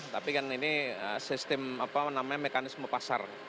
tapi kan ini sistem apa namanya mekanisme pasar